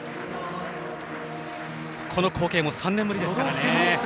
この光景も３年ぶりですからね。